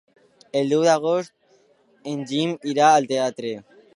El deu d'agost en Guim irà al teatre.